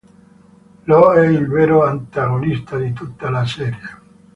Lo è il vero antagonista di tutta la serie.